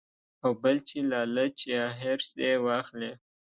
او بل چې لالچ يا حرص ئې واخلي -